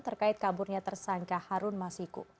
terkait kaburnya tersangka harun masiku